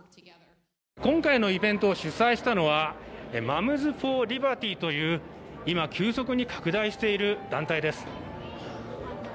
今回のイベントを主催したのは、ＭｏｍｓｆｏｒＬｉｂｅｒｔｙという、今、急速に拡大している団体です。